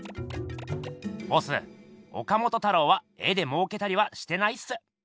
ボス岡本太郎は絵でもうけたりはしてないっす。